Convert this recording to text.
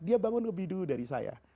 dia bangun lebih dulu dari saya